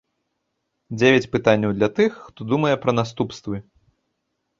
Дзевяць пытанняў для тых, хто думае пра наступствы.